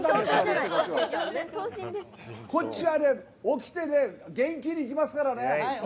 こっちは起きて元気にいきますからね。